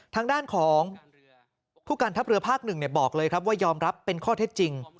ทางด้านของผู้การทัพเรือภาคหนึ่งบอกเลยครับว่ายอมรับเป็นข้อเท็จจริง